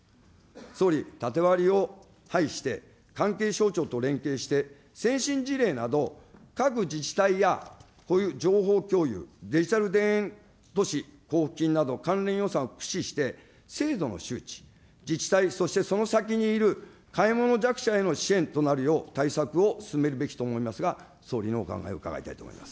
総理、縦割りを排して、関係省庁と連携して先進事例など、各自治体やこういう情報共有、デジタル田園都市交付金など関連予算を駆使して、制度の周知、自治体、そしてその先にいる買い物弱者の支援となるよう対策を進めるべきと思いますが、総理の考えを伺いたいと思います。